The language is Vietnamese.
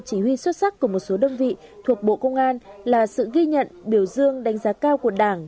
chỉ huy xuất sắc của một số đơn vị thuộc bộ công an là sự ghi nhận biểu dương đánh giá cao của đảng